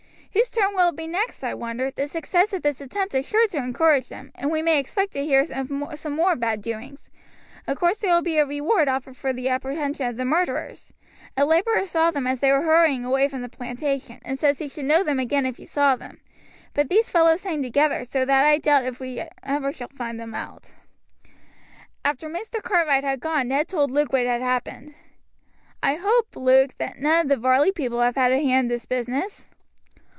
Whose turn will it be next, I wonder? The success of this attempt is sure to encourage them, and we may expect to hear of some more bad doings. Of course there will be a reward offered for the apprehension of the murderers. A laborer saw them as they were hurrying away from the plantation, and says he should know them again if he saw them; but these fellows hang together so that I doubt if we shall ever find them out." After Mr. Cartwright had gone Ned told Luke what had happened. "I hope, Luke, that none of the Varley people have had a hand in this business?"